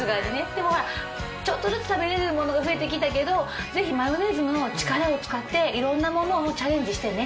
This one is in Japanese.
でもほらちょっとずつ食べられるものが増えてきたけどぜひマヨネーズの力を使っていろんなものをチャレンジしてね。